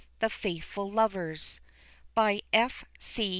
THE FAITHFUL LOVERS. F. C.